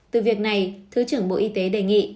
từ việc này thứ trưởng bộ y tế đề nghị